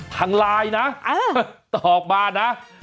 ทางไลน์นะตอบมานะ